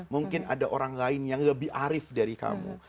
mungkin ada orang lain yang lebih arif dari kamu